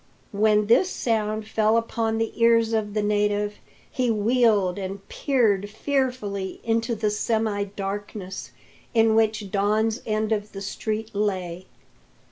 When this sound fell upon the ears of the native, he wheeled and peered fearfully into the semi darkness in which Don's end of the street lay.